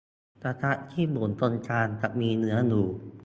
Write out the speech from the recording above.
กระทะที่บุ๋มตรงกลางจะมีเนื้ออยู่